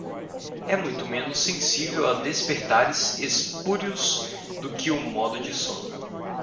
É muito menos sensível a despertares espúrios do que o modo de sono.